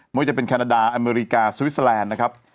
ว่าจะเป็นแคนาดาอเมริกาสวิสเตอร์แลนด์นะครับ